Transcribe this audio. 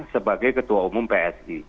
sebagai ketua umum psi